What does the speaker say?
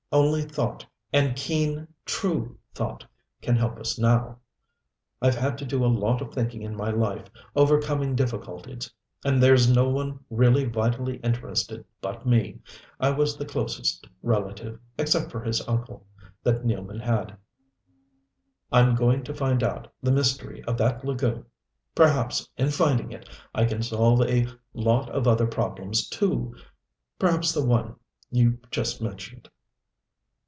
Only thought, and keen, true thought, can help us now. I've had to do a lot of thinking in my life, overcoming difficulties. And there's no one really vitally interested but me I was the closest relative, except for his uncle, that Nealman had. I'm going to find out the mystery of that lagoon! Perhaps, in finding it, I can solve a lot of other problems too perhaps the one you just mentioned.